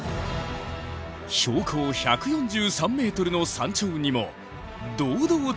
標高１４３ｍの山頂にも堂々たる石垣が。